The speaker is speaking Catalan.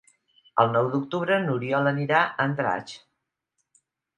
El nou d'octubre n'Oriol anirà a Andratx.